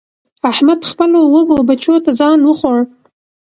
احمد خپلو وږو بچو ته ځان وخوړ.